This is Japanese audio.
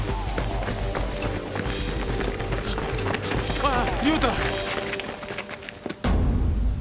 ああ亮太。